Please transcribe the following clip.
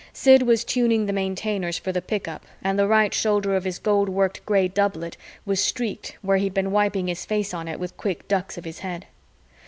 Sid was tuning the Maintainers for the pick up and the right shoulder of his gold worked gray doublet was streaked where he'd been wiping his face on it with quick ducks of his head.